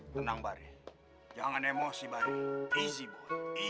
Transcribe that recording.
kuat kan cucu gue